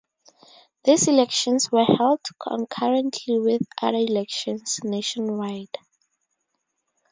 These elections were held concurrently with other elections nationwide.